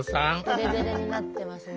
デレデレになってますね。